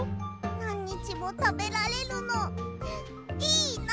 なんにちもたべられるのいいなって。